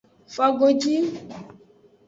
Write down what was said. Fogodi.